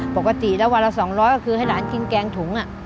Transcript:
ปกติแล้ววันละ๒๐๐ก็คือให้หลานกินแกงถุง